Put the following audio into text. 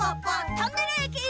トンネルえき！